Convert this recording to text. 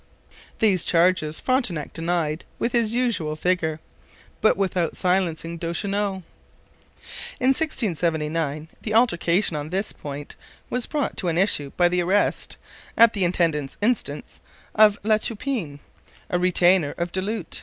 These charges Frontenac denied with his usual vigour, but without silencing Duchesneau. In 1679 the altercation on this point was brought to an issue by the arrest, at the intendant's instance, of La Toupine, a retainer of Du Lhut.